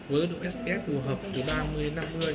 với độ sts phù hợp từ ba mươi đến năm mươi